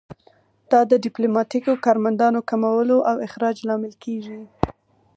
دا د ډیپلوماتیکو کارمندانو کمولو او اخراج لامل کیږي